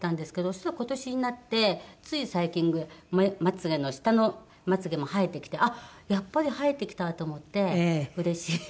そしたら今年になってつい最近まつ毛の下のまつ毛も生えてきてあっやっぱり生えてきたと思ってうれしい。